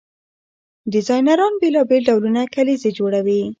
ډیزاینران بیلابیل ډولونه کلیزې جوړوي.